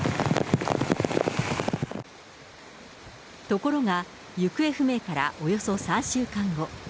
ところが、行方不明からおよそ３週間後。